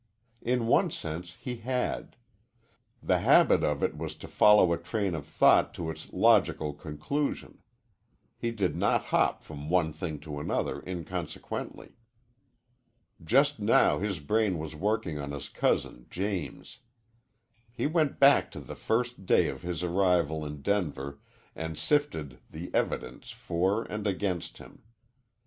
In one sense he had. The habit of it was to follow a train of thought to its logical conclusion. He did not hop from one thing to another inconsequently. Just now his brain was working on his cousin James. He went back to the first day of his arrival in Denver and sifted the evidence for and against him.